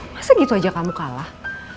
masa gitu aja kamu kalah